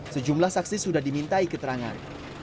sejumlah saksi sudah dimintai keterangan